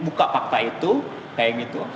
buka fakta itu